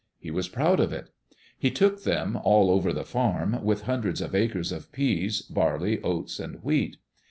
He was proud of it. He took them all over the farm, with hundreds of acres of peas, barley, oats, and wheat.